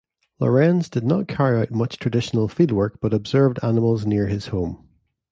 Lorenz did not carry out much traditional fieldwork but observed animals near his home.